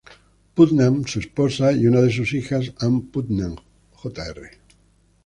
Putnam, su esposa y una de sus hijas, Ann Putnam, Jr.